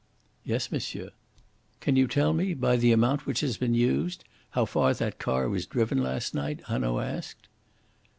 "Yes, monsieur." "Can you tell me, by the amount which has been used, how far that car was driven last night?" Hanaud asked.